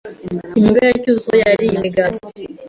Imbwa ya Cyuzuzo yariye imigati.